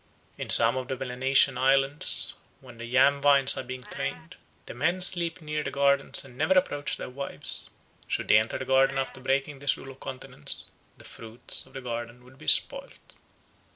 In some of the Melanesian islands, when the yam vines are being trained, the men sleep near the gardens and never approach their wives; should they enter the garden after breaking this rule of continence the fruits of the garden would be spoilt.